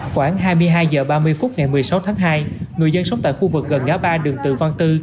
khoảng hai mươi hai h ba mươi phút ngày một mươi sáu tháng hai người dân sống tại khu vực gần ngã ba đường tự văn tư